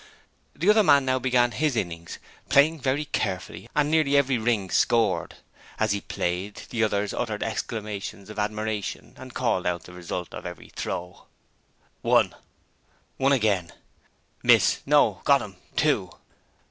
The other man now began his innings, playing very carefully, and nearly every ring scored. As he played, the others uttered exclamations of admiration and called out the result of every throw. 'One!' 'One again!' 'Miss! No! Got 'im! Two!'